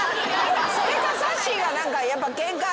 それかさっしーが何かやっぱケンカ。